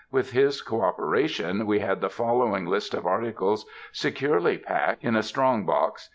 With his cooperation we had the following list of articles securely packed in a strong box.